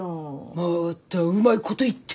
またうまいこと言って。